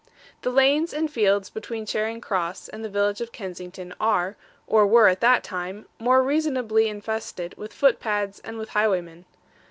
The lanes and fields between Charing Cross and the village of Kensington, are, or were at that time, more than reasonably infested with footpads and with highwaymen.